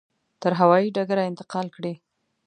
تر هوایي ډګره انتقال کړي.